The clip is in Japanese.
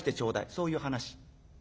そういう話。